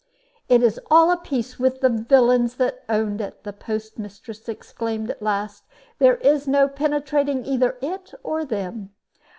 "It is all of a piece with the villains that owned it," the postmistress exclaimed at last. "There is no penetrating either it or them.